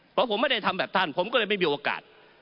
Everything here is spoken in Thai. เพราะผมไม่ได้ทำแบบท่านผมก็เลยไม่มีโอกาส